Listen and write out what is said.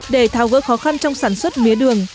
để tháo gỡ khó khăn trong sản xuất mía đường